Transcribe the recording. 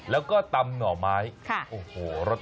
แล้วก็ตำด้วย